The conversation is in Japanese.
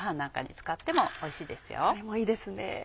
それもいいですね！